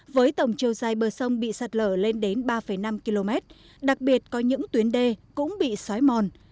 với tổng chiều dài bờ sông bị sạt lở lên đến ba năm km đặc biệt có những tuyến đê cũng bị xói mòn